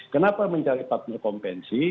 kenapa mencari partner kompensi